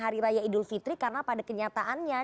hari raya idul fitri karena pada kenyataannya